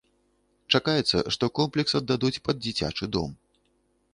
Чакаецца, што комплекс аддадуць пад дзіцячы дом.